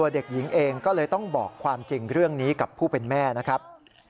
เด็กหญิงเองก็เลยต้องบอกความจริงเรื่องนี้กับผู้เป็นแม่นะครับ